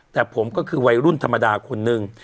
แต่ผมก็คือวัยรุ่นธรรมดาคนนึง